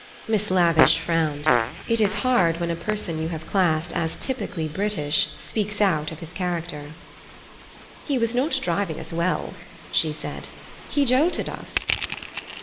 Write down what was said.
Miss Lavish frowned. It is hard when a person you have classed as typically British speaks out of his character. "He was not driving us well," she said. "He jolted us."